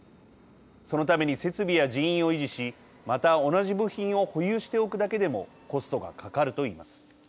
そのために設備や人員を維持しまた同じ部品を保有しておくだけでもコストがかかると言います。